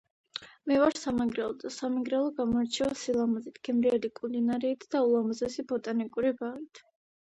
მე ვარ სამეგრელოდან სამეგრელო გამოირჩევა სილამაზით, გემრიელი კულინარით, და ულამაზესი ბოტანიკური ბაღით.